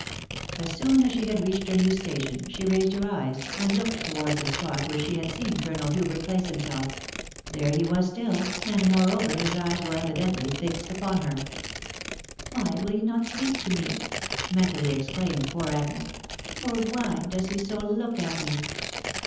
As soon as she had reached her new station she raised her eyes, and looked towards the spot where she had seen Colonel Hubert place himself; there he was still, and moreover his eyes were evidently fixed upon her. " Why will he not speak tome?" mentally exclaimed poor Agnes ;...." or why does he so look at me?"